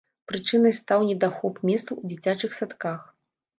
Прычынай стаў недахоп месцаў у дзіцячых садках.